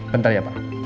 bentar ya pak